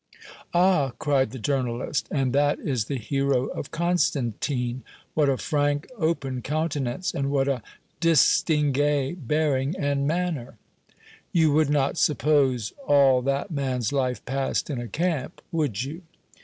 "Ah!" cried the journalist; "and that is the hero of Constantine! What a frank, open countenance, and what a distingué bearing and manner!" "You would not suppose all that man's life passed in a camp, would you?"